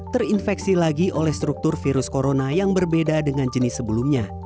terinfeksi lagi oleh struktur virus corona yang berbeda dengan jenis sebelumnya